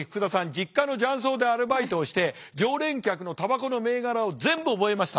実家の雀荘でアルバイトをして常連客のたばこの銘柄を全部覚えました。